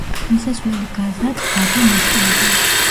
მისასვლელი გაზა დაბა მესტიიდან.